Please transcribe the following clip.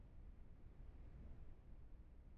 处在越位位置上并不犯规。